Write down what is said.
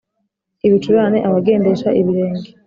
ibicurane Abagendesha ibirenge